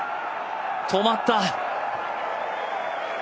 止まった。